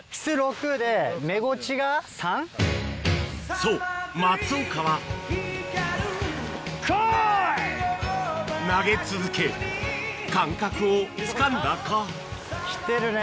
そう松岡は投げ続け感覚をつかんだかきてるね